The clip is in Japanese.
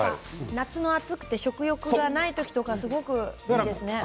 夏の暑くて食欲がない時とかすごくいいですね。